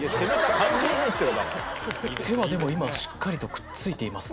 手はでも今はしっかりとくっついていますね。